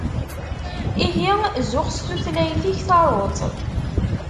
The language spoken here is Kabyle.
Ihi zuxx s tutlayt-ik, taruḍ-tt!